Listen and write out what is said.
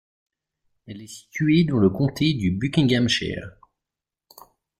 Elle est située dans le comté du Buckinghamshire.